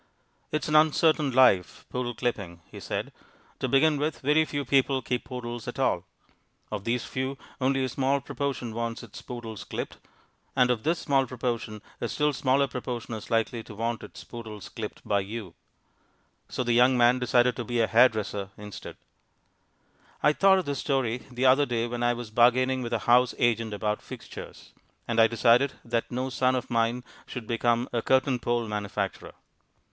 "It is an uncertain life, poodle clipping," he said, "To begin with, very few people keep poodles at all. Of these few, only a small proportion wants its poodles clipped. And, of this small proportion, a still smaller proportion is likely to want its poodles clipped by you." So the young man decided to be a hair dresser instead. I thought of this story the other day when I was bargaining with a house agent about "fixtures," and I decided that no son of mine should become a curtain pole manufacturer.